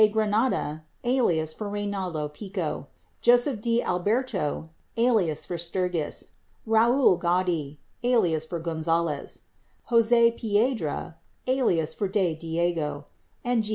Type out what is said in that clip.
Granada (alias for Reynaldo Pico) , Joseph di Alberto (alias for Sturgis), Raoul Godey (alias for Gonzales), Jose Piedra (alias for De Diego), and G.